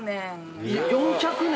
４００年？